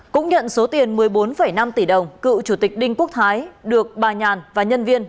cũng nhận số tiền một mươi bốn năm tỷ đồng cựu chủ tịch đinh quốc thái được bà nhàn và nhân viên